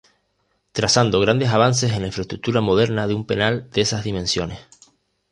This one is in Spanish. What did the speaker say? Trazando grandes avances en la infraestructura moderna de un penal de esas dimensiones.